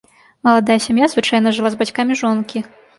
Маладая сям'я звычайна жыла з бацькамі жонкі.